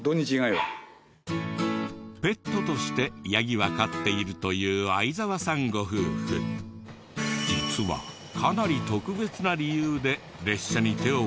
ペットとしてヤギは飼っているという実はかなり特別な理由で列車に手を振り続けていた。